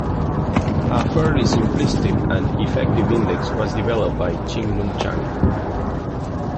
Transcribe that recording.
A fairly simplistic and effective index was developed by Chin-Lung Chang.